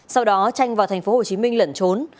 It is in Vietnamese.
sau đó tranh vào tp hcm lẩn trốn